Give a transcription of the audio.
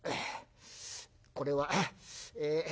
「これはええ